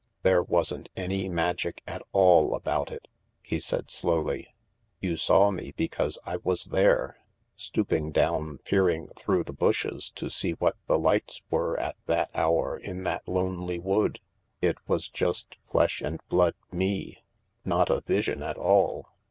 " There wasn't any magic at all about it," he said slowly. " You saw me because I was there, stooping down peering through the bushes to see what the lights were at that hour, in that lonely wood. It was just flesh and blood me, not a vision at all.